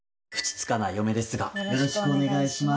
よろしくお願いします。